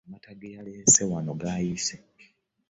Amata ge yalese wano gayiise.